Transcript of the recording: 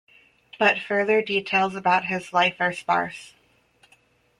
But further details about his life are sparse.